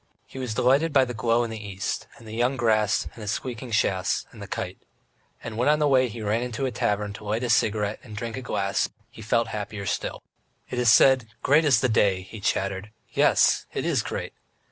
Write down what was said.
He was delighted by the glow in the east, and the young grass, and his squeaking chaise, and the kite. ... And when on the way, he ran into a tavern to light his cigarette and drank a glass, he felt happier still. "It is said, 'Great is the day,'" he chattered. "Yes, it is great!